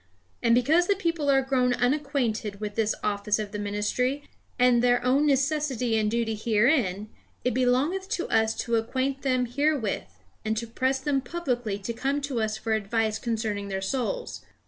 And because the people are grown unacquainted with this office of the ministry, and their own necessity and duty herein, it belongeth to us to acquaint them herewith, and to press them publicly to come to us for advice concerning their souls.